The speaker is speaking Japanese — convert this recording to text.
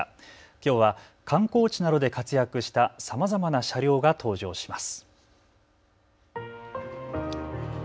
きょうは観光地などで活躍したさまざまな車両が登場します。